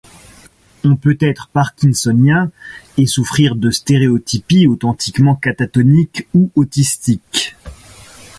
On peut être parkisonnien et souffrir de stéréotypies authentiquement catatoniques ou autistiques.